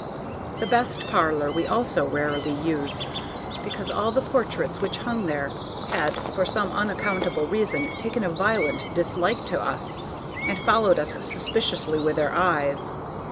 The best parlor we also rarely used, because all the portraits which hung there had for some unaccountable reason taken a violent dislike to us, and followed us suspiciously with their eyes.